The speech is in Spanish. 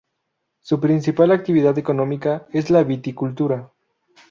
Su principal actividad económica es la viticultura.